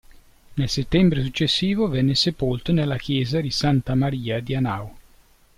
Nel settembre successivo venne sepolto nella chiesa di Santa Maria di Hanau.